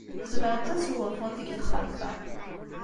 Zemrent ad sgunfunt deg texxamt-a.